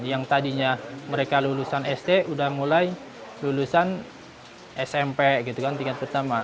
yang tadinya mereka lulusan sd udah mulai lulusan smp gitu kan tingkat pertama